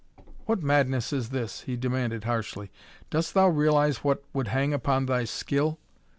"What madness is this?" he demanded harshly. "Dost thou realize what would hang upon thy skill?